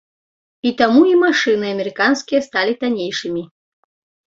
І таму і машыны амерыканскія сталі таннейшымі.